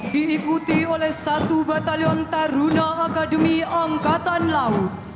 diikuti oleh satu batalion taruna akademi angkatan laut